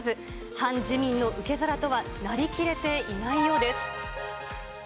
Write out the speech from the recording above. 反自民の受け皿とはなりきれていないようです。